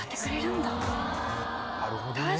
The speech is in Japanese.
なるほどね。